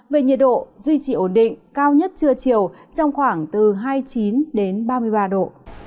về nhiệt độ duy trì ổn định cao nhất trưa chiều trong khoảng từ hai mươi chín ba mươi ba độ